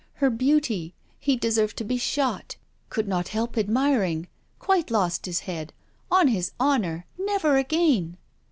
her beauty... he deserved to be shot!... could not help admiring... quite lost his head.. on his honour! never again!'